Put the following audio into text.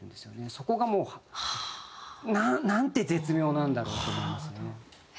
そこがもうなんて絶妙なんだろうと思いますね。